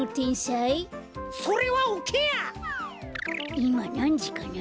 いまなんじかな？